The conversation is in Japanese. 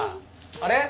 あれ？